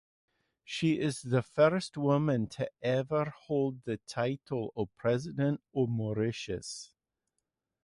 She is the first woman to ever hold the title of President of Mauritius.